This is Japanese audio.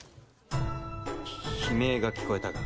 悲鳴が聞こえたが。